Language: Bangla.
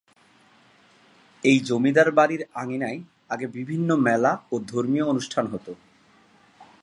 এই জমিদার বাড়ির আঙ্গিনায় আগে বিভিন্ন মেলা ও ধর্মীয় অনুষ্ঠান হতো।